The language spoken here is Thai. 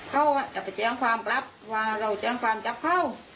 เขาจะไปแจ้งความกลับว่าเราแจ้งความจับเข้า